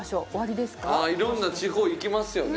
ああいろんな地方行きますよね。